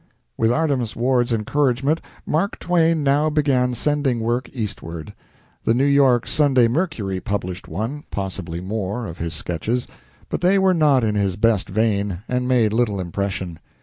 With Artemus Ward's encouragement, Mark Twain now began sending work eastward. The "New York Sunday Mercury" published one, possibly more, of his sketches, but they were not in his best vein, and made little impression.